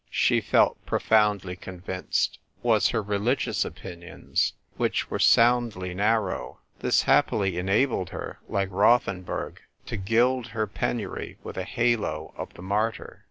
l6l she felt profoundly convinced, was her reli gious opinions, which were soundly narrow. This happily enabled her, like Rothenburg, to gild her penury with the halo of the martyr.